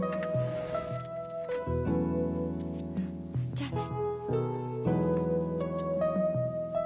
じゃあね。